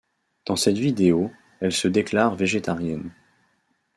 Dans cette vidéo, elle se déclare végétarienne.